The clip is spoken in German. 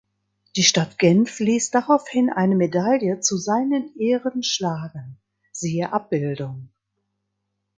Die Stadt Genf ließ daraufhin eine Medaille zu seinen Ehren schlagen (siehe Abbildung).